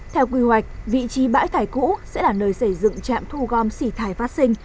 theo quy hoạch vị trí bãi thải cũ sẽ là nơi xây dựng trạm thu gom xỉ thải phát sinh